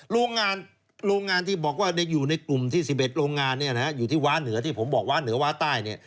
โรงงานโรงงานที่บอกว่าอยู่ในกลุ่มที่๑๑โรงงานอยู่ที่ว้าเหนือที่ผมบอกว่าเหนือว้าใต้เนี่ย